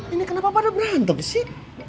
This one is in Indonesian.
ini kenapa pada berantem sih